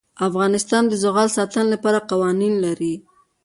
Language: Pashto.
افغانستان د زغال د ساتنې لپاره قوانین لري.